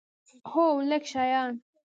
هو، لږ شیان